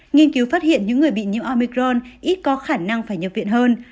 nghiên cứu phát hiện những người bị nhiễm omicron ít có khả năng phải nhập viện hơn